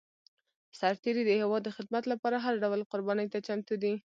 سرتېری د هېواد د خدمت لپاره هر ډول قرباني ته چمتو دی.